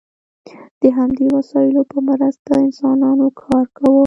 د همدې وسایلو په مرسته انسانانو کار کاوه.